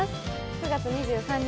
９月２３日